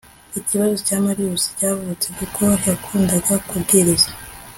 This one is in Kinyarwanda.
Ikibazo cya Marcus cyavutse kuko yakundaga kubwiriza